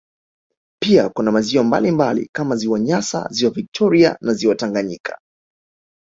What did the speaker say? Pia kuna maziwa mbalimbali kama ziwa nyasa ziwa victoria na ziwa Tanganyika